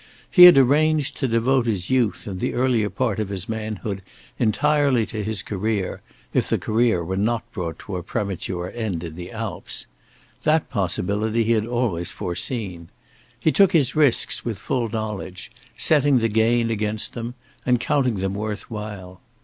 He had arranged to devote his youth and the earlier part of his manhood entirely to his career, if the career were not brought to a premature end in the Alps. That possibility he had always foreseen. He took his risks with full knowledge, setting the gain against them, and counting them worth while.